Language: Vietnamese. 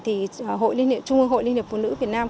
trung hội liên hiệp vô nữ việt nam